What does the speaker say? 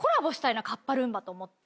カッパルンバと思って。